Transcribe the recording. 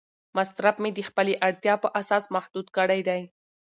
مصرف مې د خپلې اړتیا په اساس محدود کړی دی.